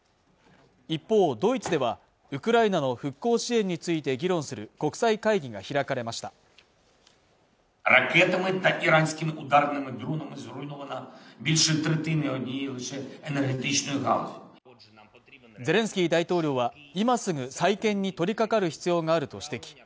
一方ドイツではウクライナの復興支援について議論する国際会議が開かれましたゼレンスキー大統領は今すぐ再建に取りかかる必要があると指摘